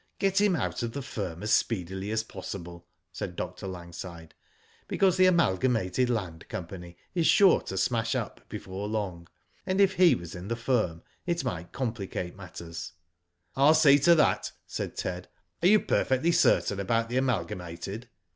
Get him out of the firm as speedily as possible," said Dr. Langside, because the Amalgamated Land Company is sure to smash up before long, and if he was in the firm it might complicate matters." " ril see to that," said Ted. "Are you perfectly certain about the Amalgamated?"